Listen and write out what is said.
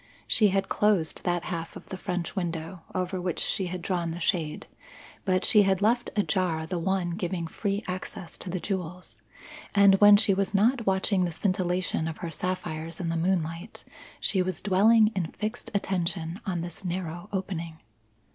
She had closed that half of the French window over which she had drawn the shade; but she had left ajar the one giving free access to the jewels; and when she was not watching the scintillation of her sapphires in the moonlight, she was dwelling in fixed attention on this narrow opening.